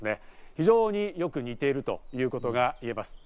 非常によく似ているということがいえます。